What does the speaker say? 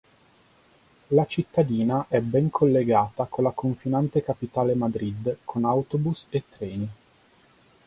La cittadina è ben collegata con la confinante capitale Madrid con autobus e treni.